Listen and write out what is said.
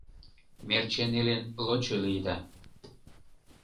Мерчен илен, лочо лийыда...